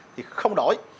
thì không đổi